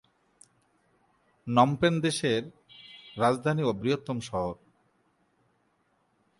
নম পেন দেশের রাজধানী ও বৃহত্তম শহর।